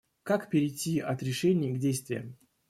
Как перейти от решений к действиям?